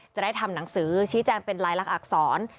จะได้ทำหนังสือชี้แจงเป็นลายลักษณอักษร